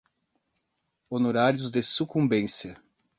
honorários de sucumbência